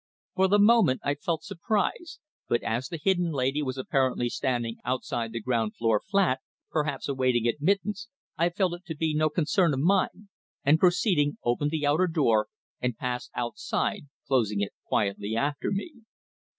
For the moment I felt surprise, but as the hidden lady was apparently standing outside the ground floor flat perhaps awaiting admittance I felt it to be no concern of mine, and proceeding, opened the outer door and passed outside, closing it quietly after me.